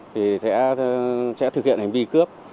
thì sẽ thực hiện hành vi cướp